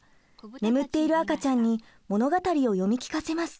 眠っている赤ちゃんに物語を読み聞かせます。